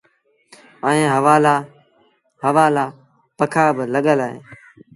ائيٚݩ هوآ لآ پکآ با لڳل اوهيݩ۔